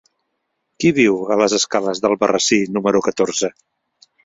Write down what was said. Qui viu a les escales d'Albarrasí número catorze?